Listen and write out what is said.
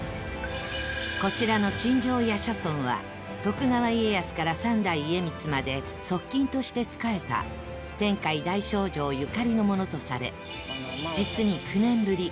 こちらの鎮将夜叉尊は徳川家康から３代家光まで側近として仕えた天海大僧正ゆかりのものとされ実に９年ぶり